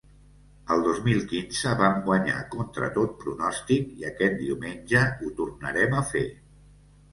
El dos mil quinze vam guanyar contra tot pronòstic i aquest diumenge ho tornarem a fer.